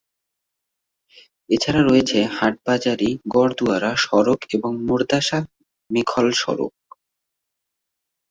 এছাড়া রয়েছে হাটহাজারী-গড়দুয়ারা সড়ক এবং মাদার্শা-মেখল সড়ক।